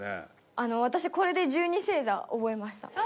私、これで１２星座覚えました。